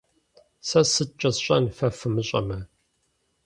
- Сэ сыткӀэ сщӀэн, фэ фымыщӀэмэ?